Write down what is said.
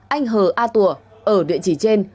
anh hờ a tùa ở địa chỉ trên